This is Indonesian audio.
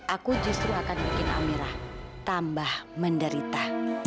aku justru akan bikin amirah tambah menderita